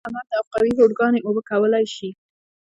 لوړ همت او قوي هوډ کاڼي اوبه کولای شي !